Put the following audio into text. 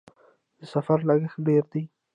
د سفر لګښت ډیر دی؟